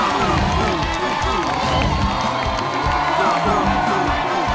ร้องได้๑คำ